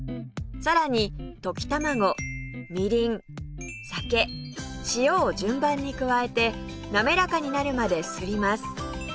さらに溶き卵みりん酒塩を順番に加えてなめらかになるまですります